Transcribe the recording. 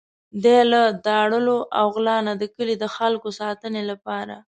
دی له داړلو او غلا نه د کلي د خلکو ساتنې لپاره.